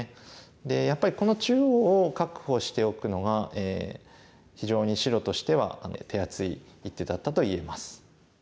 でやっぱりこの中央を確保しておくのが非常に白としては手厚い一手だったと言えます。